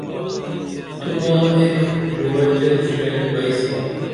تو ماں ایک ژوڑہ چیل سُوین بیسی؟